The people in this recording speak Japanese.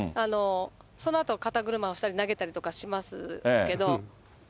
そのあと肩車をしたり、投げたりとかしますけど。